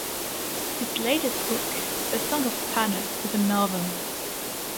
His latest book, 'The Song of Panne' is a novel.